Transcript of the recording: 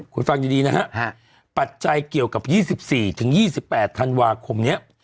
คุณฟังดีนะฮะปัจจัยเกี่ยวกับ๒๔๒๘ธันวาคมนี้